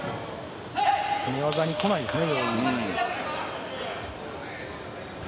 寝技に来ないですね。